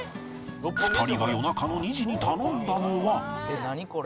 ２人が夜中の２時に頼んだのは